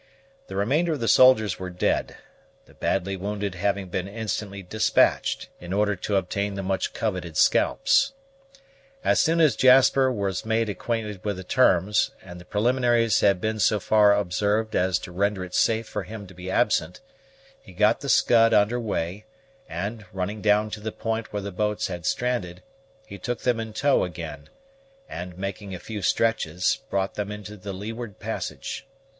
The remainder of the soldiers were dead, the badly wounded having been instantly despatched in order to obtain the much coveted scalps. As soon as Jasper was made acquainted with the terms, and the preliminaries had been so far observed as to render it safe for him to be absent, he got the Scud under weigh; and, running down to the point where the boats had stranded, he took them in tow again, and, making a few stretches, brought them into the leeward passage.